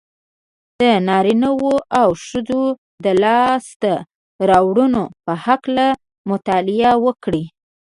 د نارينهوو او ښځو د لاسته راوړنو په هکله مطالعه وکړئ.